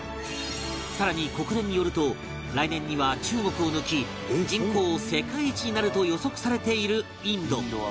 更に国連によると来年には中国を抜き人口世界一になると予測されているインド